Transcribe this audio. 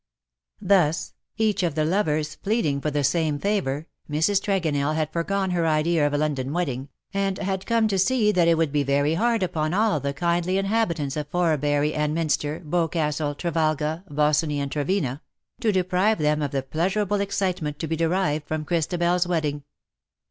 Thus, each of the lovers pleading for the same VOL. I. o 194 IN SOCIETY. favour^ Mrs. Tregonell had foregone her idea of a London wedding, and had come to see that it would be very hard upon all the kindly inhabitants of Forra bury and Minster — Boscastle — Trevalga — Bossiney and Trevena — to deprive them of the pleasurable ex citement to be derived from Christabers wedding.